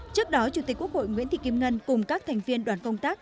trước đó chủ tịch quốc hội nguyễn thị kim ngân cùng các thành viên đoàn công tác